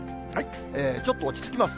ちょっと落ち着きます。